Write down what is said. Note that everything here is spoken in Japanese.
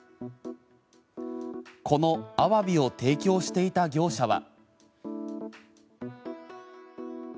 このアワビを提供していた業者は。